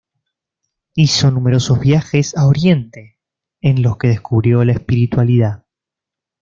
Hizo numerosos viajes a Oriente, en los que descubrió la espiritualidad.